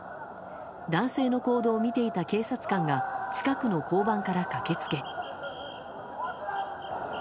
男性の行動を見ていた警察官が近くの交番から駆け付け。